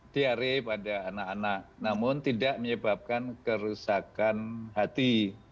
diare pada anak anak namun tidak menyebabkan kerusakan hati